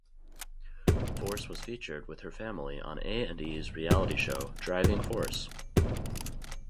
Force was featured with her family on A and E's reality show "Driving Force".